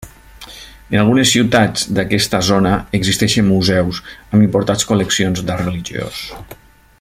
En algunes ciutats d'aquesta zona existeixen museus amb importants col·leccions d'art religiós.